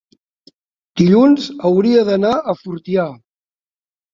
dilluns hauria d'anar a Fortià.